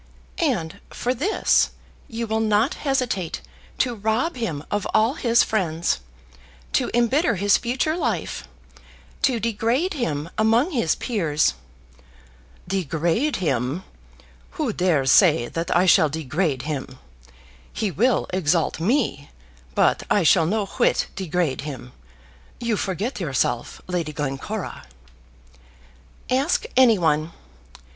"And for this you will not hesitate to rob him of all his friends, to embitter his future life, to degrade him among his peers, " "Degrade him! Who dares say that I shall degrade him? He will exalt me, but I shall no whit degrade him. You forget yourself, Lady Glencora." "Ask any one.